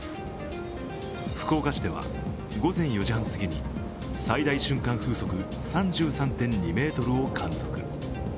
福岡市では午前４時半すぎに最大瞬間風速３３．２メートルを観測。